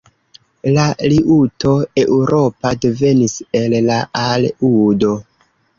La liuto eŭropa devenis el la al-udo.